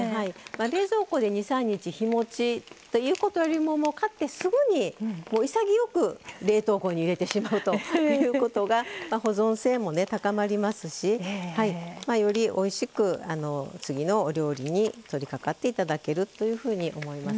冷蔵庫で２３日日もちということよりも買ってすぐに潔く冷凍庫に入れてしまうということが保存性も高まりますしより、おいしく次のお料理にとりかかっていただけるというふうに思います。